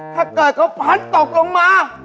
ถ้าเกิดเขาพัดตกลงมา